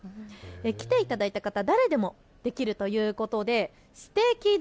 来ていただいた方、誰でもできるということですてきだ